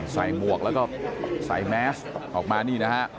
หมวกแล้วก็ใส่แมสออกมานี่นะฮะ